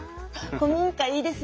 古民家いいですよね。